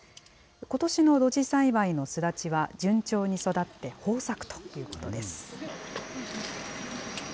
ことしの露地栽培のすだちは順調に育って豊作ということです。